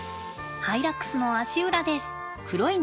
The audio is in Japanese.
ハイラックスの足裏です。